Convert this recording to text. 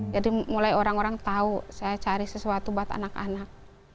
jadi mulai orang orang tahu saya cari sesuatu buat anak anak